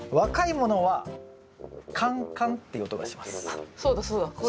あっそうだそうだこれ。